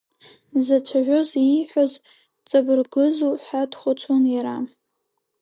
Дзацәажәоз ииҳәоз ҵабыргызу ҳәа дхәыцуан иара.